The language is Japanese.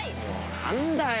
何だよ！